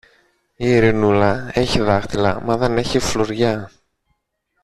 Η Ειρηνούλα έχει δάχτυλα, μα δεν έχει φλουριά!